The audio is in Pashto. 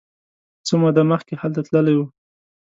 څه موده مخکې هلته تللی و.